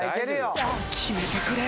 決めてくれ。